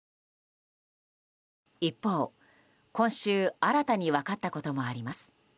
一方、今週新たに分かったこともあります。